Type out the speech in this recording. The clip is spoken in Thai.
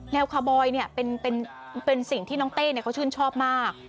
คาร์บอยเป็นสิ่งที่น้องเต้เขาชื่นชอบมาก